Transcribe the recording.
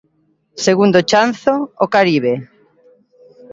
Segundo chanzo: o Caribe.